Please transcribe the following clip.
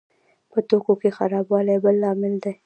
په توکو کې خرابوالی بل لامل دی.